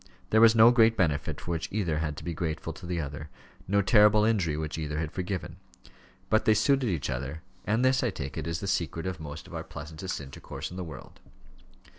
There was no great benefit for which either had to be grateful to the other; no terrible injury which either had forgiven. But they suited each other; and this, I take it, is the secret of most of our pleasantest intercourse in the world.